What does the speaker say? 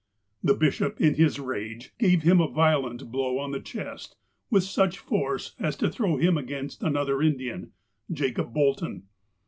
The bishop, in his rage, gave him a violent blow on the chest with such force as to throw him against another Indian, Jacob Bolton.